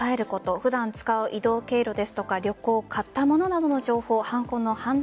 普段使う移動経路や旅行買った物などの情報は犯行の判断